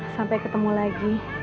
sampai ketemu lagi